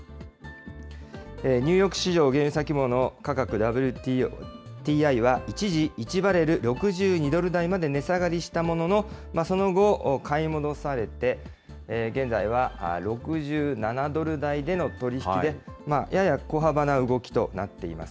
ニューヨーク市場、原油先物価格・ＷＴＩは一時、１バレル６２ドル台まで値下がりしたものの、その後、買い戻されて、現在は６７ドル台での取り引きで、やや小幅な動きとなっています。